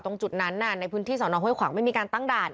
ตรงจุดนั้นในพื้นที่สอนอห้วยขวางไม่มีการตั้งด่าน